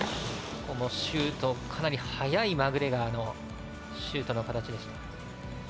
シュート、かなり速いマグレガーのシュートの形。